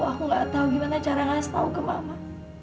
aku gak tahu gimana cara ngasih tahu ke mama